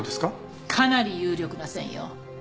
かなり有力な線よ。